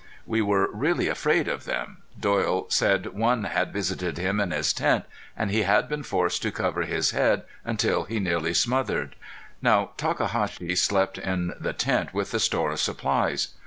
We were really afraid of them. Doyle said one had visited him in his tent and he had been forced to cover his head until he nearly smothered. Now Takahashi slept in the tent with the store of supplies.